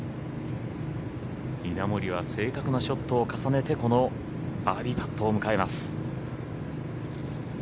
稲森は正確なショットを重ねてこのバーディーパットを迎えます。